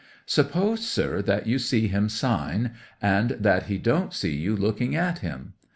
'"Suppose, sir, that you see him sign, and he don't see you looking at him?